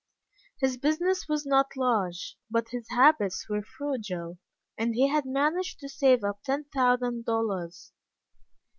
His business was not large, but his habits were frugal, and he had managed to save up ten thousand dollars.